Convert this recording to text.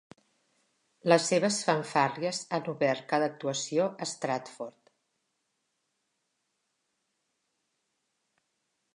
Les seves fanfàrries han obert cada actuació a Stratford.